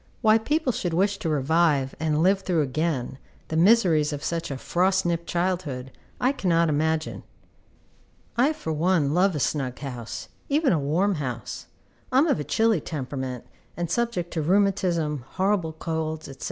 Why people should wish to revive, and live through again, the miseries of such a frost nipped childhood, I cannot imagine. I, for one, love a snug house, even a warm house. I am of a chilly temperament, and subject to rheumatism, horrible colds, &c.